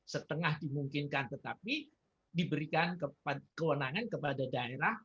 setengah dimungkinkan tetapi diberikan kewenangan kepada daerah